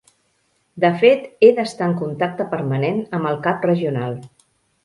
De fet he d'estar en contacte permanent amb el cap regional.